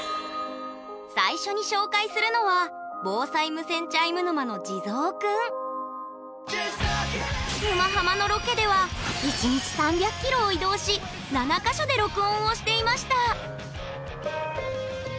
最初に紹介するのは「沼ハマ」のロケでは１日３００キロを移動し７か所で録音をしていました